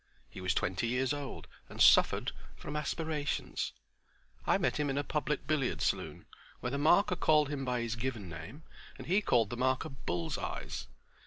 He was twenty years old and suffered from aspirations. I met him in a public billiard saloon where the marker called him by his given name, and he called the marker "Bulls eyes."